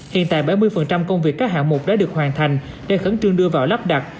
hiện tại bảy mươi công việc các hạng mục đã được hoàn thành để khẩn trương đưa vào lắp đặt